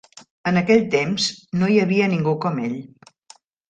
En aquell temps, no hi havia ningú com ell.